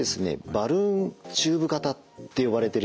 バルーンチューブ型って呼ばれてるやつです。